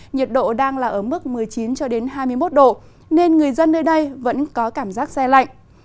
nhiệt độ đang ở mức một mươi chín hai mươi một độ nên người dân nơi đây vẫn có cảm giác xe lạnh